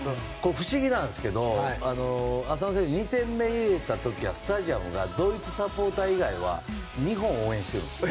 不思議なんですけど浅野選手が２点目を入れた時はスタジアムはドイツサポーター以外は日本を応援してるんです。